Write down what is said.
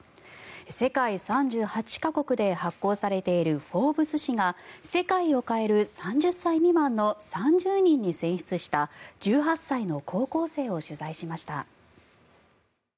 世界３８か国で発行されている「フォーブス」誌が「世界を変える３０歳未満」の３０人に選出した１８歳の高校生を取材しました。